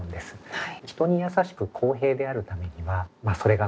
はい。